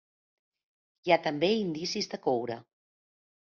Hi ha també indicis de coure.